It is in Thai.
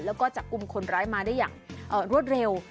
แล้วก็จับกลุ่มคนร้ายมาได้อย่างรวดเร็ว